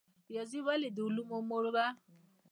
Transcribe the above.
ریاضي ولې د علومو مور ده؟